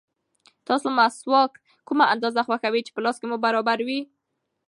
تاسو د مسواک کومه اندازه خوښوئ چې په لاس کې مو برابر وي؟